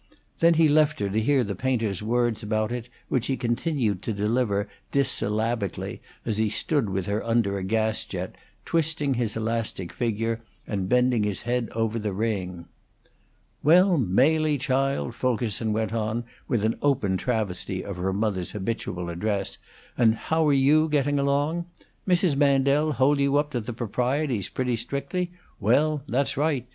Then he left her to hear the painter's words about it, which he continued to deliver dissyllabically as he stood with her under a gas jet, twisting his elastic figure and bending his head over the ring. "Well, Mely, child," Fulkerson went on, with an open travesty of her mother's habitual address, "and how are you getting along? Mrs. Mandel hold you up to the proprieties pretty strictly? Well, that's right.